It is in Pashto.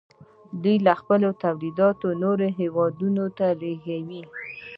دوی خپل تولیدات نورو هیوادونو ته لیږي.